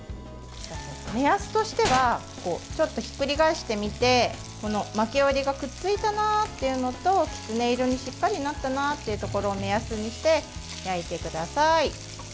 目安としてはちょっとひっくり返してみて巻き終わりがくっついたなというのとキツネ色にしっかりなったなというところを目安にして焼いてください。